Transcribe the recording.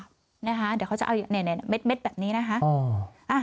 เดี๋ยวเขาจะเอาเม็ดแบบนี้นะคะ